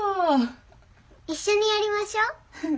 一緒にやりましょう！